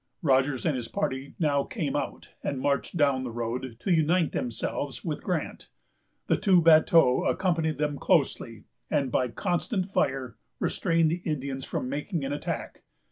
Rogers and his party now came out, and marched down the road, to unite themselves with Grant. The two bateaux accompanied them closely, and, by a constant fire, restrained the Indians from making an attack.